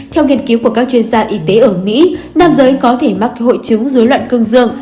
theo nghiên cứu của các chuyên gia y tế ở mỹ nam giới có thể mắc hội chứng dối loạn cương dương